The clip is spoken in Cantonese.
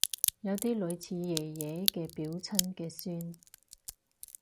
有啲類似爺爺嘅表親嘅孫